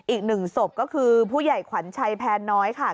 อีกหนึ่งศพก็คือผู้ใหญ่ขวัญชัยแพนน้อยค่ะ